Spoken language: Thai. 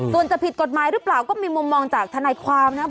ส่วนจะผิดกฎหมายหรือเปล่าก็มีมุมมองจากทนายความนะครับ